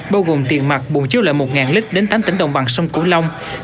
bao gồm tiền mặt bùng chiếu lợi một lít đến tám tỉnh đồng bằng sông cửu long